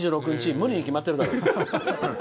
無理に決まってるだろ。